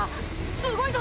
すごいぞ。